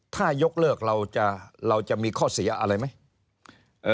ถ้ายกเลิกเราจะมีข้อเสียอะไรไหม